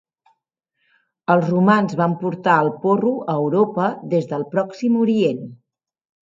Els romans van portar el porro a Europa des del Pròxim Orient